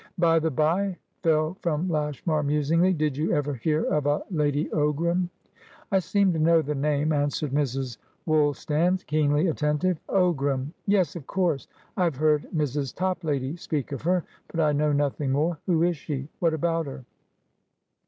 "By the bye," fell from Lashmar, musingly, "did you ever hear of a Lady Ogram?" "I seem to know the name," answered Mrs. Woolstan, keenly attentive. "Ogram? Yes, of course; I have heard Mrs. Toplady speak of her; but I know nothing more. Who is she? What about her?"